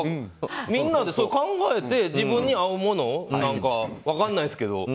みんなで考えて自分に合うものを分からないですけど。